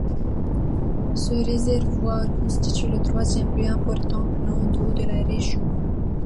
Ce réservoir constitue le troisième plus important plan d'eau de la région.